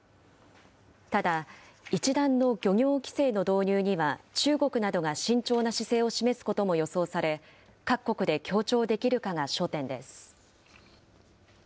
ただ、一段の漁業規制の導入には、中国などが慎重な姿勢を示すことも予想され、各国で協調できるかが焦点です。